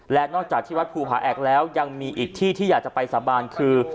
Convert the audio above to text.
และนอกจากที่วัดภูผาแอกแล้วยังมีอีกที่ที่อยากจะไปสาบานคือ